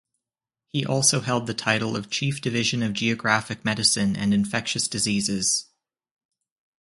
He also held the title of Chief Division of Geographic Medicine and Infectious Diseases.